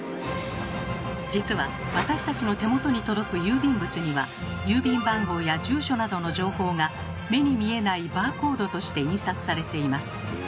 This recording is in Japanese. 実は私たちの手元に届く郵便物には郵便番号や住所などの情報が目に見えないバーコードとして印刷されています。